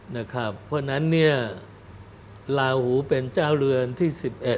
เพราะฉะนั้นเนี่ยลาหูเป็นเจ้าเรือนที่๑๑